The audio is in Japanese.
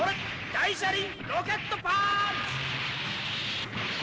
大車輪ロケットパンチ！」